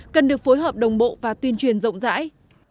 cần được phối hợp đồng bộ và tuyên truyền rộng rãi